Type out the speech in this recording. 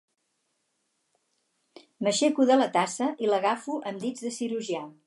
M'aixeco de la tassa i l'agafo amb dits de cirurgià.